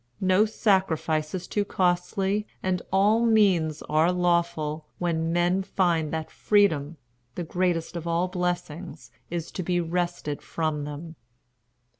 No sacrifice is too costly, and all means are lawful, when men find that freedom, the greatest of all blessings, is to be wrested from them."